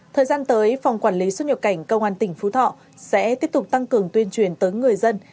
thời gian tới phòng quản lý xuất nhập cảnh công an tỉnh phú thọ sẽ tiếp tục tăng cường tuyên truyền tới người dân